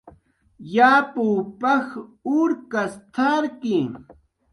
"Yapw paj urkas t""arki"